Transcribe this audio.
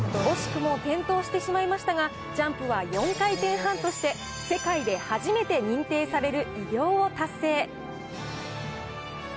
惜しくも転倒してしまいましたが、ジャンプは４回転半として、世界で初めて認定される偉業を達成。